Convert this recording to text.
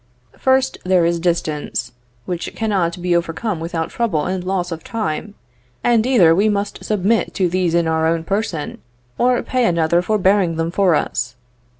First, there is distance, which cannot be overcome without trouble and loss of time; and either we must submit to these in our own person, or pay another for bearing them for us.